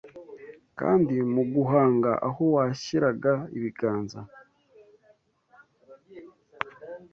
kandi m’uguhanga aho washyiraga ibiganza